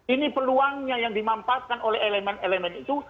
ini peluangnya yang dimampatkan oleh elemen elemen itu